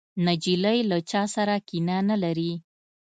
نجلۍ له چا سره کینه نه لري.